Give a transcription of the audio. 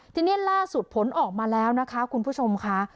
ทีนี้ล่าสุดผลออกมาแล้วนะคะคุณผู้ชมค่ะ